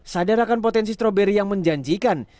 sadarakan potensi stroberi yang menjanjikan